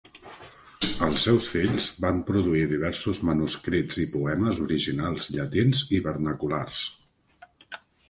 Els seus fills van produir diversos manuscrits i poemes originals llatins i vernaculars.